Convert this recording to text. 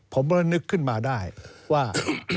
ผมก็นึกขึ้นมาได้ว่า